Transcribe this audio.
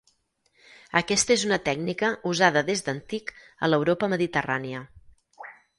Aquesta és una tècnica usada des d'antic a l'Europa mediterrània.